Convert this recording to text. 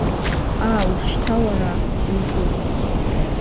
Аа, шьҭа уара, иутәуп…